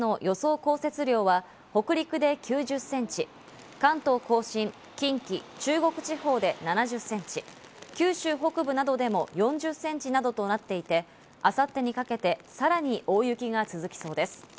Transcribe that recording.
降雪量は北陸で９０センチ、関東甲信、近畿、中国地方で７０センチ、九州北部などでも４０センチなどとなっていて明後日にかけて、さらに大雪が続きそうです。